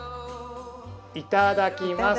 いただきます。